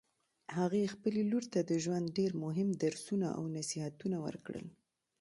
هغې خپلې لور ته د ژوند ډېر مهم درسونه او نصیحتونه ورکړل